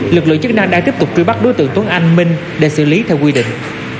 lực lượng chức năng đang tiếp tục truy bắt đối tượng tuấn anh minh để xử lý theo quy định